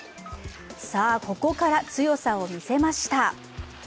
さあ、ここから強さを見せました。